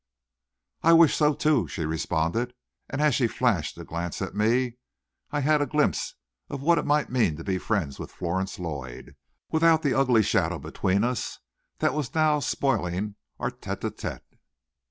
"I wish so, too," she responded, and as she flashed a glance at me, I had a glimpse of what it might mean to be friends with Florence Lloyd without the ugly shadow between us that now was spoiling our tete a tete.